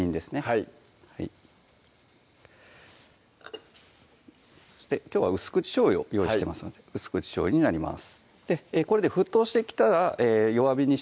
はいそしてきょうは薄口しょうゆを用意してますので薄口しょうゆになります